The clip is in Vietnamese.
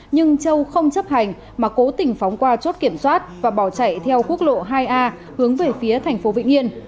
nhưng châu không chấp hành mà cố tình phóng qua chốt kiểm soát và bỏ chạy theo quốc lộ hai a hướng về phía thành phố vĩnh yên